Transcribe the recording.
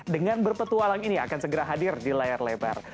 dengan berpetualang ini akan segera hadir di layar lebar